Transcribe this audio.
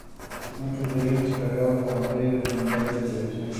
Muchos de ellos son encargos para series documentales de televisión.